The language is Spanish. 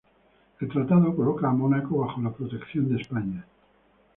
El tratado colocaba a Mónaco bajo la protección de España.